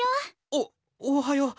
おおはよう。